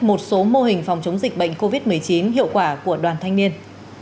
một số mô hình phòng chống dịch bệnh covid một mươi chín hiệu quả của đoàn thanh niên